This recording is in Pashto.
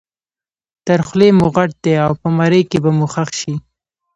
تر خولې مو غټ دی او په مرۍ کې به مو ښخ شي.